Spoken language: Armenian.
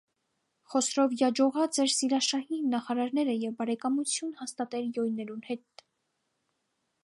Խոսրով յաջողած էր սիրաշահիլ նախարարները եւ բարեկամութիւն հաստատել յոյներուն հետ։